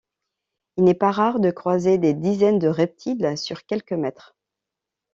Il n'est pas rare de croiser des dizaines de reptiles sur quelques mètres.